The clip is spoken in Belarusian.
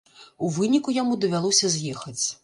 У выніку яму давялося з'ехаць.